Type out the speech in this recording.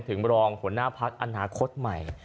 ถึงรองหัวหน้าพักอนาคตใหม่